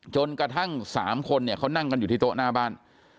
จนกระทั่ง๓คนเนี่ยเขานั่งกันอยู่ที่โต๊ะหน้าบ้าน